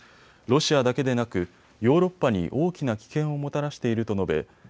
ロシアだけでなくヨーロッパに大きな危険をもたらしていると述べ